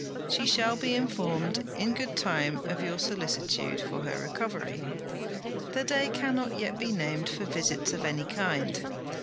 She shall be informed in good time of your solicitude for her recovery. The day cannot yet be named for visits of any kind.